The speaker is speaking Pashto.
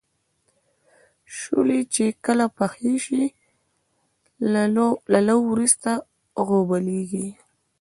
شولې چې کله پخې شي له لو وروسته غوبلیږي.